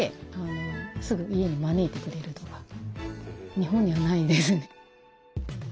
日本にはないですね。